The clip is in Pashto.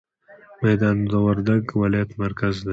ميدان د وردګ ولايت مرکز دی.